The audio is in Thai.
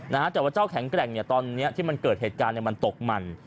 นะฮะแต่ว่าเจ้าแข็งแกร่งเนี่ยตอนเนี้ยที่มันเกิดเหตุการณ์เนี่ยมันตกมัน